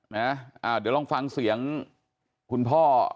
แต่ลูกชายก็ไม่รู้เรื่องหรอก